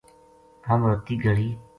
ہم رَتی گلی